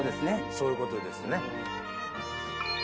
そういうことですね。